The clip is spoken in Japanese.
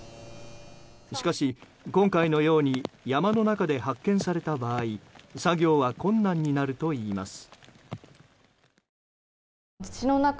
しかし、今回のように山の中で発見された場合作業は困難になるといいます。